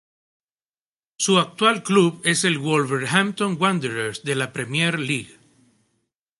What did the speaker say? Su actual club es el Wolverhampton Wanderers de la Premier League.